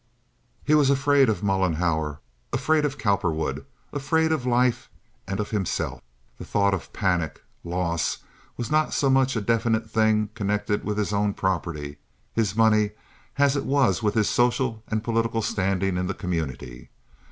He was afraid of Mollenhauer, afraid of Cowperwood, afraid of life and of himself. The thought of panic, loss, was not so much a definite thing connected with his own property, his money, as it was with his social and political standing in the community.